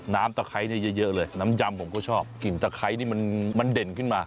ตะไคร้นี่เยอะเลยน้ำยำผมก็ชอบกลิ่นตะไคร้นี่มันเด่นขึ้นมา